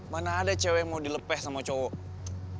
mana ada cewek mau dilepeh sama cowok